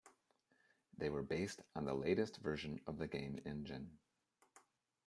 They were based on the latest version of the game engine.